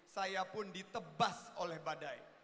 saya pun ditebas oleh badai